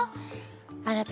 あなた